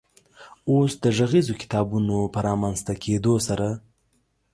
اوس د غږیزو کتابونو په رامنځ ته کېدو سره